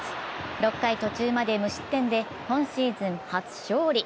６回途中まで無失点で今シーズン初勝利。